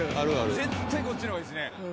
絶対こっちのほうがいいっすね